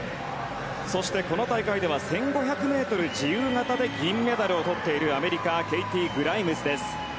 そして、この大会では１５００ｍ自由形で銀メダルを取っている、アメリカケイティー・グライムズです。